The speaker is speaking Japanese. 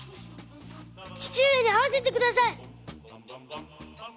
父上に会わせて下さい。